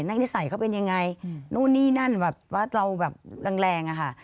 นิสัยเขาเป็นยังไงนู่นนี่นั่นแบบว่าเราแบบแรงแรงอะค่ะ